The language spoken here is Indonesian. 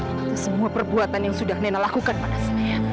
itu semua perbuatan yang sudah nena lakukan pada saya